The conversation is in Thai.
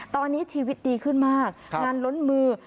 ตอนนี้ชีวิตดีขึ้นมากงานล้นมือ